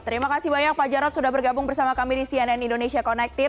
terima kasih banyak pak jarod sudah bergabung bersama kami di cnn indonesia connected